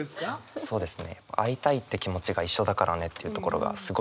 そうですね